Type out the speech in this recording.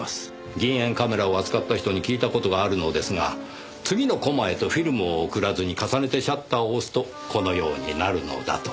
銀塩カメラを扱った人に聞いた事があるのですが次のコマへとフィルムを送らずに重ねてシャッターを押すとこのようになるのだと。